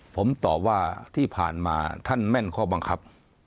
ผมตอบว่าที่ผ่านมาท่านแม่นข้อบังคับ